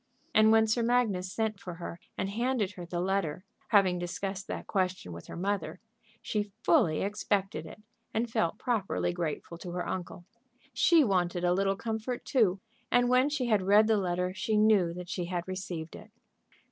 And when Sir Magnus sent for her and handed to her the letter, having discussed that question with her mother, she fully expected it, and felt properly grateful to her uncle. She wanted a little comfort, too, and when she had read the letter she knew that she had received it.